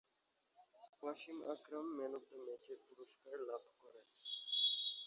Wasim Akram man of the ম্যাচের পুরস্কার লাভ করেন।